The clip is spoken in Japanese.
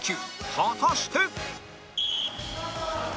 果たして